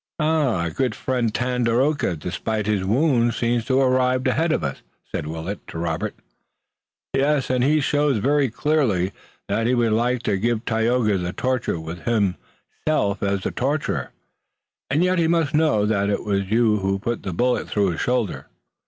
"Our good friend, Tandakora, despite his wound seems to have arrived ahead of us," said Willet to Robert. "Yes, and he shows very clearly that he would like to give Tayoga to the torture with himself as torturer, and yet he must know that it was you who put the bullet through his shoulder."